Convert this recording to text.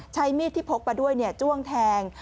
ใช้มีดที่พกมาด้วยจ้วงแทง